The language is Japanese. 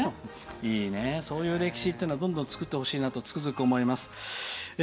いいね、そういう歴史ってどんどん作ってほしいなとつくづく思います。